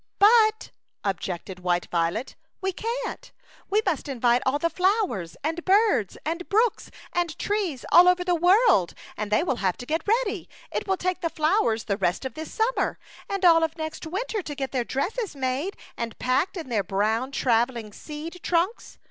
"But/* objected white Violet, "we can't. We must invite all the flow ers and birds and brooks and trees all over the world, and they will have to get ready. It will take the flow ers the rest of this summer and all of next winter to get their dresses made and packed in their brown travelling seed trunks.